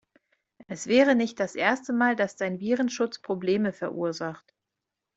Es wäre nicht das erste Mal, dass dein Virenschutz Probleme verursacht.